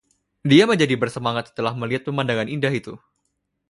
Dia menjadi bersemangat setelah melihat pemandangan indah itu.